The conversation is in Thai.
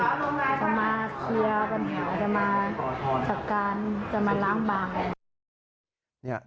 จะมาเคลียร์ปัญหาจะมาจัดการจะมาล้างบาง